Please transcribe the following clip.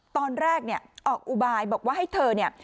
ตอนแรกเนี่ยออกอุบายบอกว่าให้เธอเนี่ย